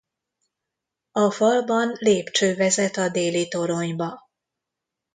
A falban lépcső vezet a déli toronyba.